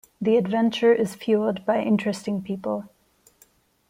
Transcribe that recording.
The adventure is fueled by interesting people.